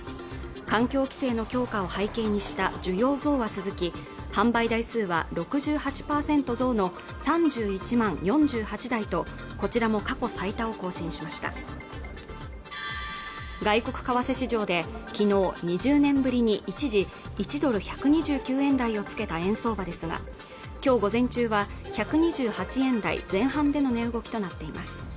環境規制の強化を背景にした需要増は続き販売台数は６８％増の３１万４８台とこちらも過去最多を更新しました外国為替市場で昨日２０年ぶりに一時１ドル１２９円台をつけた円相場ですが今日午前中は１２８円台前半での値動きとなっています